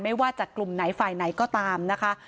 ไม่ว่าจากกลุ่มไหนฝ่ายไหนก็ตามนะคะ